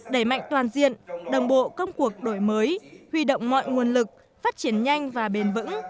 đẩy mạnh toàn diện đồng bộ công cuộc đổi mới huy động mọi nguồn lực phát triển nhanh và bền vững